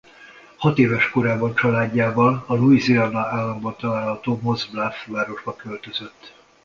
Hatéves korában családjával a Louisiana államban található Moss Bluff városába költözött.